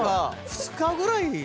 ２日ぐらい。